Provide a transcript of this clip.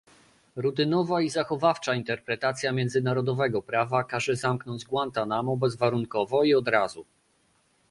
Rutynowa i zachowawcza interpretacja międzynarodowego prawa każe zamknąć Guantanamo bezwarunkowo i od razu